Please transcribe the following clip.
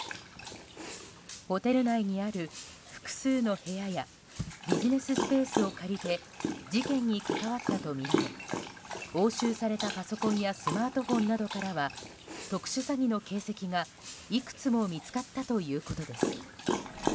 ホテル内にある複数の部屋やビジネススペースを借りて事件に関わったとみられ押収されたパソコンやスマートフォンなどからは特殊詐欺の形跡がいくつも見つかったということです。